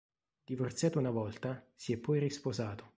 Divorziato una volta, si è poi risposato.